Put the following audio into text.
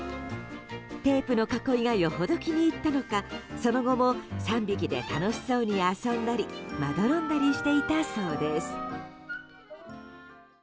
テープの囲いがよほど気に入ったのかその後も３匹で楽しそうに遊んだりまどろんだりしていたそうです。